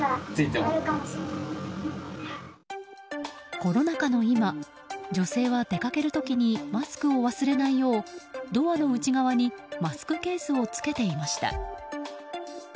コロナ禍の今女性は出かける時にマスクを忘れないようドアの内側にマスクケースをつけていました。